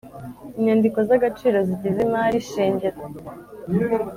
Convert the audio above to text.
Inyandiko zagaciro zigize imari shingiro